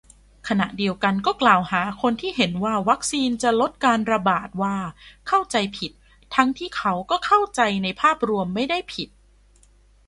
ขณะเดียวกันก็กล่าวหาคนที่เห็นว่าวัคซีนจะลดการระบาด ว่าเข้าใจผิด ทั้งที่เขาก็เข้าใจในภาพรวมไม่ได้ผิด